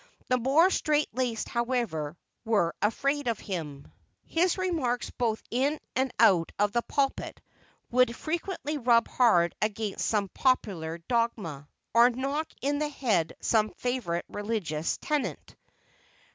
The more straight laced, however, were afraid of him. His remarks both in and out of the pulpit would frequently rub hard against some popular dogma, or knock in the head some favorite religious tenet.